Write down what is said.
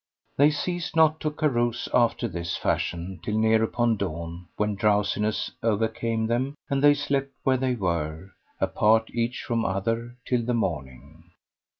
They ceased not to carouse after this fashion till near upon dawn when drowsiness overcame them; and they slept where they were, apart each from other, till the morning.